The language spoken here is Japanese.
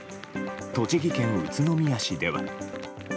栃木県宇都宮市では。